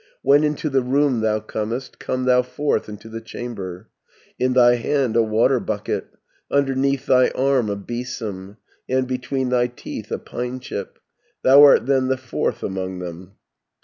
"When into the room thou comest, Come thou fourth into the chamber; In thy hand a water bucket, Underneath thy arm a besom, And between thy teeth a pine chip; Thou art then the fourth among them.